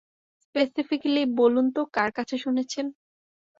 Specifically বলুন তো কার কাছে শুনেছেন?